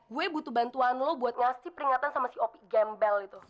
gue butuh bantuan lo buat ngasih peringatan sama si op gembel itu